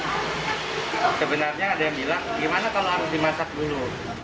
gimana kalau harus dimasak dulu